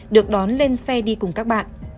được đón lên xe đi cùng các bạn